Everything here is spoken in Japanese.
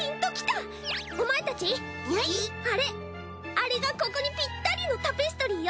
あれがここにピッタリのタペストリーよ！